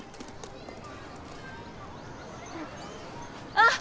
あっ。